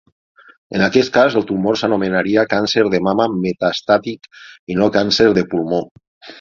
En aquest cas, el tumor s'anomenaria càncer de mama metastàtic i no càncer de pulmó.